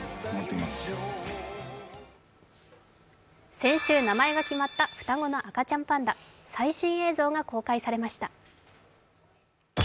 先週、名前が決まった双子の赤ちゃんパンダ最新映像が公開されました。